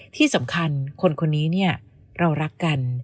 ที่สำคัญคนคนนี้เนี่ยเรารักกัน